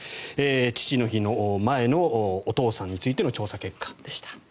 父の日の前のお父さんについての調査結果でした。